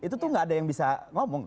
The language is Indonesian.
itu tuh gak ada yang bisa ngomong